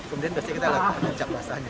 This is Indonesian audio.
kemudian berarti kita lakukan cap basahnya